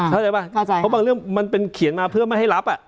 เข้าใจป่ะเข้าใจเพราะบางเรื่องมันเป็นเขียนมาเพื่อไม่ให้รับ